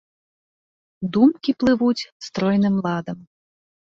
Думкі плывуць стройным ладам.